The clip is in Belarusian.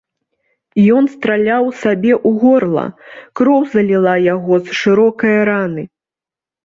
Ён страляў сабе ў горла, кроў заліла яго з шырокае раны.